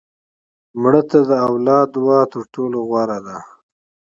مړه ته د اولاد دعا تر ټولو غوره ده